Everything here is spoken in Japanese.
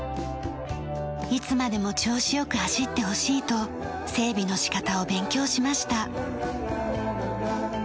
いつまでも調子良く走ってほしいと整備の仕方を勉強しました。